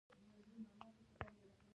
آیا کډوال د کار ځواک نه پیاوړی کوي؟